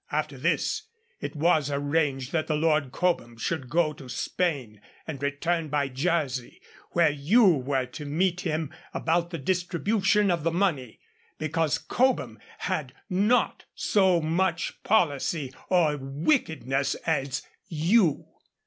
After this it was arranged that the Lord Cobham should go to Spain and return by Jersey, where you were to meet him about the distribution of the money; because Cobham had not so much policy or wickedness as you.